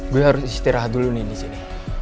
gue harus istirahat dulu nih disini